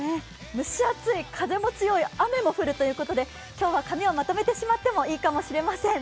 蒸し暑い、風も強い雨も降ると言うことで今日は髪をまとめてもいいかもしれません。